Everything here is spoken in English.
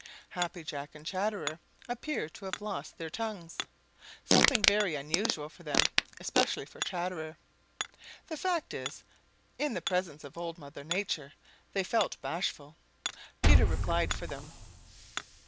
Happy Jack and Chatterer appeared to have lost their tongues, something very unusual for them, especially for Chatterer. The fact is, in the presence of Old Mother Nature they felt bashful. Peter replied for them.